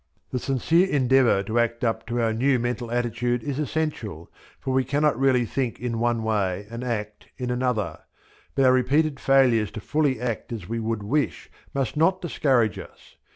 The sincere endeavour to act up to our new mental attitude is essential, for we cannot really think in one way and act in another; but our repeated failures to fully act as we would wish must not discourage us.